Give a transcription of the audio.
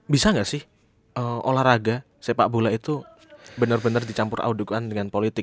bisa gak sih olahraga sepak bola itu bener bener dicampur adukan dengan politik